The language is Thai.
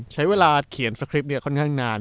ใช้เวลาเขียนสคริปต์ค่อนข้างนาน